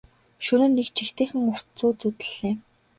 Шөнө нь нэг жигтэйхэн урт зүүд зүүдэллээ.